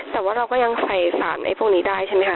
แต่ว่าเราก็ยังใส่สารไอ้พวกนี้ได้ใช่ไหมค